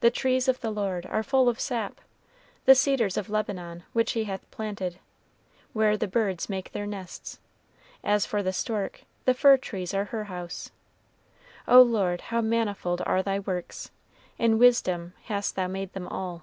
The trees of the Lord are full of sap; the cedars of Lebanon, which he hath planted; where the birds make their nests; as for the stork, the fir trees are her house. O Lord, how manifold are thy works! in wisdom hast thou made them all."